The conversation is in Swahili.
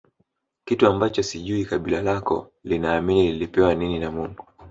Kitu ambacho sijui kabila lako linaamini lilipewa nini na Mungu